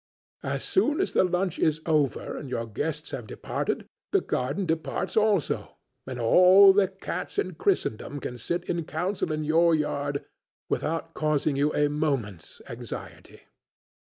As soon as the lunch is over and your guests have departed the garden departs also, and all the cats in Christendom can sit in council in your yard without causing you a moment's anxiety.